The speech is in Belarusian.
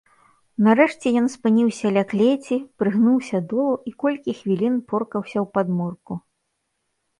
Нарэшце ён спыніўся ля клеці, прыгнуўся долу і колькі хвілін поркаўся ў падмурку.